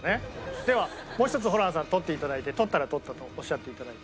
ではもう１つホランさん取っていただいて取ったら「取った」とおっしゃっていただいて。